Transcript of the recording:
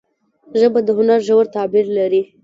ژبه د هنر ژور تعبیر لري